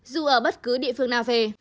dù ở bất cứ địa phương nào về